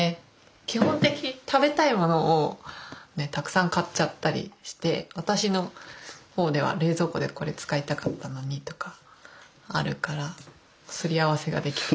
基本的食べたいものをねったくさん買っちゃったりして私の方では冷蔵庫でこれ使いたかったのにとかあるからすり合わせができる。